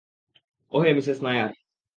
ওহ, Mrs Nair.